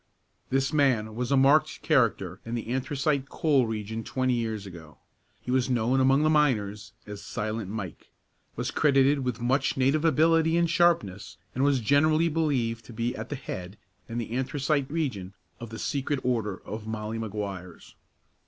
This man was a marked character in the anthracite coal region twenty years ago. He was known among the miners as "Silent Mike," was credited with much native ability and sharpness, and was generally believed to be at the head, in the anthracite region, of the secret order of Molly Maguires.